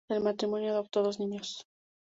El matrimonio adoptó dos niños.